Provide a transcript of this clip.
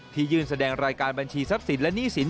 ที่ยื่นแสดงรายการบัญชีทรัพย์สินและหนี้สิน